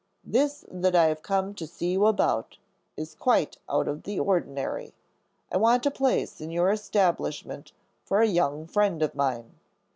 This that I have come to see you about is quite out of the ordinary. I want a place in your establishment for a young friend of mine."